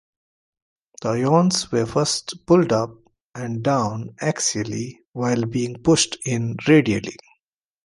The ions are first pulled up and down axially while being pushed in radially.